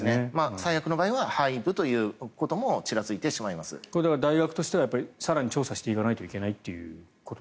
最悪の場合は廃部ということも大学としては更に調査していかないといけないと。